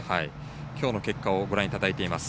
きょうの結果をご覧いただいています。